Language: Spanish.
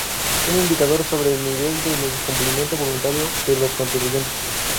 Un indicador sobre el nivel del cumplimiento voluntario de los contribuyentes.